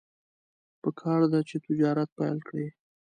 پکار ده چې تجارت پیل کړي.